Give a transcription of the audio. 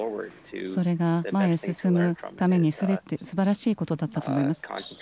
それが前に進むためにすばらしいことだったと思います。